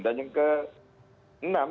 dan yang keenam